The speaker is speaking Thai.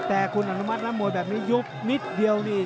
แต่คุณอนุมัตินักมวยแบบนี้ยุบนิดเดียวนี่